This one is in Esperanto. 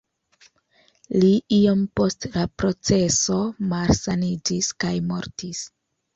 Li iom post la proceso malsaniĝis kaj mortis.